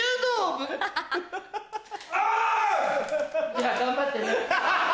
じゃあ頑張ってね。